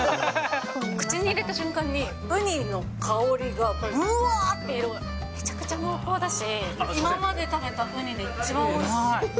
口に入れた瞬間に、ウニの香りが、ぶわーって広がる、めちゃくちゃ濃厚だし、今まで食べたウニで一番おいしい。